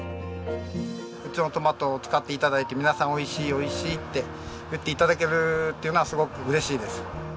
うちのトマトを使って頂いて皆さん美味しい美味しいって言って頂けるっていうのはすごく嬉しいです。